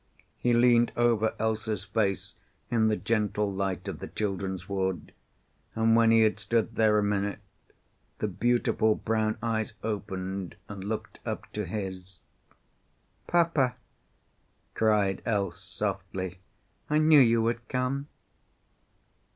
He leaned over Else's face in the gentle light of the children's ward, and when he had stood there a minute the beautiful brown eyes opened and looked up to his. "Pa pa!" cried Else, softly, "I knew you would come!"